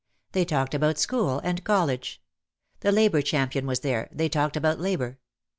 They talked about school and college. The labour champion was there, they talked about labour.